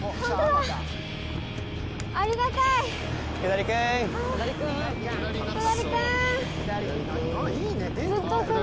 ありがたい！